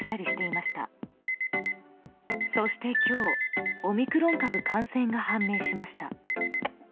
そして今日オミクロン株感染が判明しました。